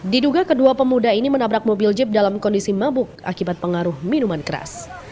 diduga kedua pemuda ini menabrak mobil jeep dalam kondisi mabuk akibat pengaruh minuman keras